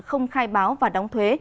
không khai báo và đóng thuế